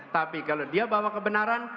tapi kalau dia bawa kebenaran